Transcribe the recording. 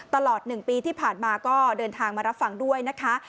ตลอด๑ปีที่ผ่านมาก็เดินทางมารับฟังด้วยนะคะ